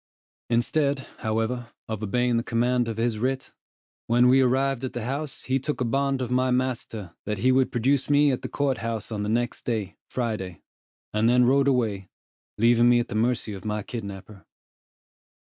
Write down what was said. Instead, however, of obeying the command of his writ, when we arrived at the house he took a bond of my master that he would produce me at the court house on the next day, Friday, and then rode away, leaving me at the mercy of my kidnapper.